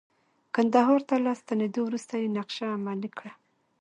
کندهار ته له ستنیدو وروسته یې نقشه عملي کړه.